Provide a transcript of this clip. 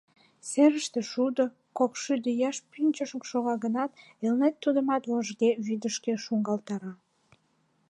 Серыште шудо, кокшӱдӧ ияш пӱнчӧ шога гынат, Элнет тудымат вожге вӱдышкӧ шуҥгалтара.